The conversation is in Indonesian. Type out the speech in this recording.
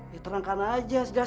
ya tenangkan aja jelas jelasnya